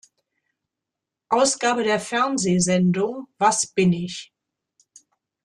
Ausgabe der Fernsehsendung "Was bin ich?